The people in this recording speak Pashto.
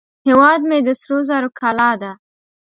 هیواد مې د سرو زرو کلاه ده